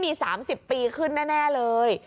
มี๓๐ปีขึ้นแน่เลย